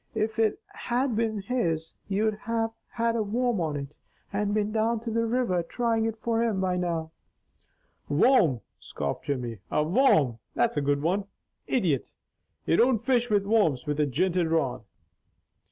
If it had been his, you'd have had a worm on it and been down to the river trying it for him by now." "Worm!" scoffed Jimmy. "A worm! That's a good one! Idjit! You don't fish with worms with a jinted rod."